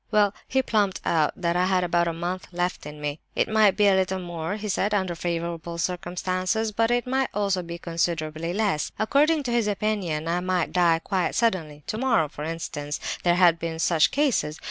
"Well, he plumped out that I had about a month left me; it might be a little more, he said, under favourable circumstances, but it might also be considerably less. According to his opinion I might die quite suddenly—tomorrow, for instance—there had been such cases.